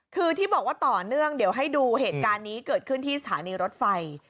คือที่บอกว่าต่อเนื่องเดี๋ยวให้ดูเหตุการณ์นี้เกิดขึ้นที่สถานีรถไฟ